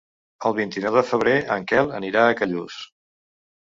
El vint-i-nou de febrer en Quel anirà a Callús.